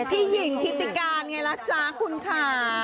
พี่หญิงทิติการไงล่ะจ๊ะคุณค่ะ